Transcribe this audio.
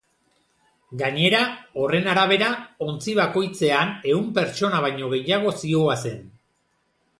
Gainera, horren arabera, ontzi bakoitzean ehun pertsona baino gehiago zihoazen.